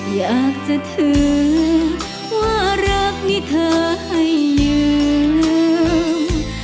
อยากจะถือว่ารักนี่เธอให้ยืม